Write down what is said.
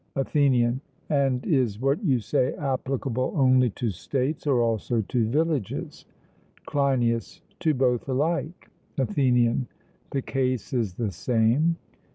ATHENIAN: And is what you say applicable only to states, or also to villages? CLEINIAS: To both alike. ATHENIAN: The case is the same?